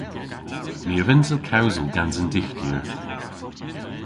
Ni a vynnsa kewsel gans an Dyghtyer.